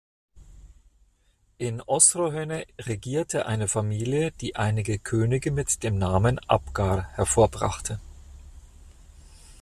In Osrhoene regierte eine Familie, die einige Könige mit dem Namen Abgar hervorbrachte.